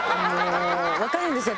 わかるんですよ。